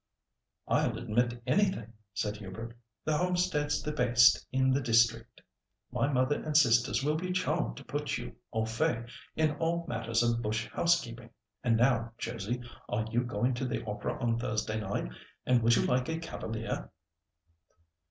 "I'll admit anything," said Hubert; "the homestead's the best in the district. My mother and sisters will be charmed to put you au fait in all matters of bush housekeeping. And now, Josie, are you going to the opera on Thursday night, and would you like a cavalier?"